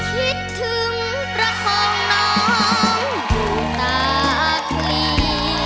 คิดถึงประคองน้องอยู่ตาคลี